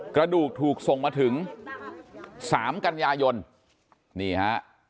กระดูกถูกส่งมาถึงสามกันยายนนี่ฮะ